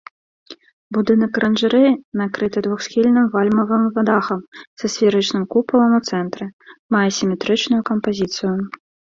Будынак аранжарэі, накрыты двухсхільным вальмавым дахам са сферычным купалам у цэнтры, мае сіметрычную кампазіцыю.